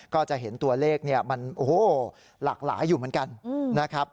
ก็จะเห็นตัวเลขเนี่ยมันโอ้โหหลากหลายอยู่เหมือนกันนะครับ